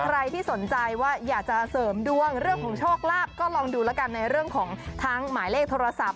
ใครที่สนใจว่าอยากจะเสริมดวงเรื่องของโชคลาภก็ลองดูแล้วกันในเรื่องของทั้งหมายเลขโทรศัพท์